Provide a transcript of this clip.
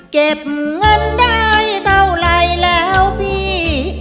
เก็บเงินได้เท่าไรแล้วพี่